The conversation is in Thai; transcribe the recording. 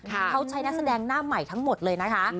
เขาใช้นักแสดงหน้าใหม่ทั้งหมดเลยนะคะ